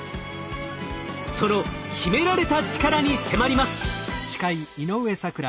その秘められたチカラに迫ります。